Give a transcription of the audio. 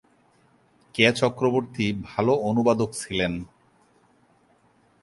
কেয়া চক্রবর্তী ভালো অনুবাদক ছিলেন।